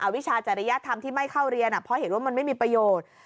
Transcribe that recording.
วิชาจริยธรรมที่ไม่เข้าเรียนเพราะเห็นว่ามันไม่มีประโยชน์